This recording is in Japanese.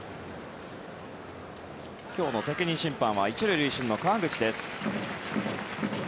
今日の責任審判は１塁塁審の川口です。